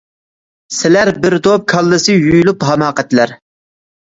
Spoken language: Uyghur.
سىلەر بىر توپ كاللىسى يۇيۇلۇپ ھاماقەتلەر.